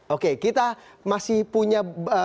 oke kita masih punya